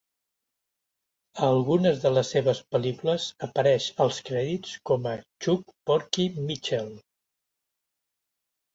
A algunes de les seves pel·lícules apareix als crèdits com a Chuck "Porky" Mitchell.